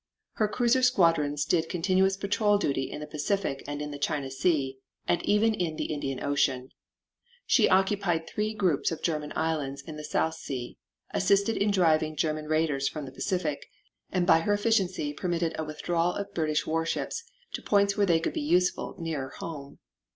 Her cruiser squadrons did continuous patrol duty in the Pacific and in the China Sea and even in the Indian Ocean. She occupied three groups of German Islands in the South Sea, assisted in driving German raiders from the Pacific, and by her efficiency permitted a withdrawal of British warships to points where they could be useful nearer home.